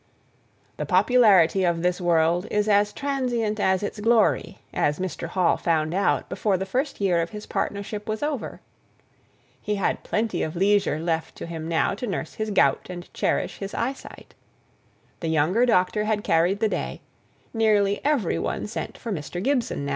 The popularity of this world is as transient as its glory, as Mr. Hall found out before the first year of his partnership was over. He had plenty of leisure left to him now to nurse his gout and cherish his eyesight. The younger doctor had carried the day; nearly every one sent for Mr. Gibson.